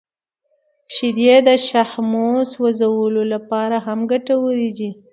• شیدې د شحمو سوځولو لپاره هم ګټورې دي.